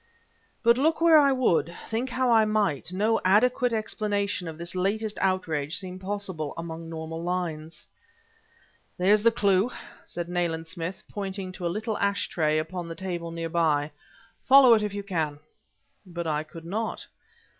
But, look where I would, think how I might, no adequate explanation of this latest outrage seemed possible along normal lines. "There's the clue," said Nayland Smith, pointing to a little ash tray upon the table near by. "Follow it if you can." But I could not.